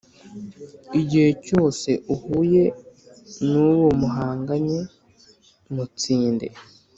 igihe cyose uhuye nuwo muhanganye. mutsinde